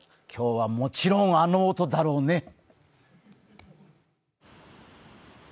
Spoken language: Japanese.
今日はもちろんあの音だろうね。